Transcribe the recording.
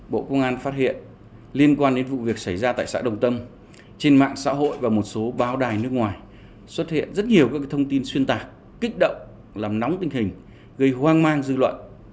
bộ công an phát hiện liên quan đến vụ việc xảy ra tại xã đồng tâm trên mạng xã hội và một số bao đài nước ngoài xuất hiện rất nhiều các thông tin xuyên tạc kích động làm nóng tình hình gây hoang mang dư luận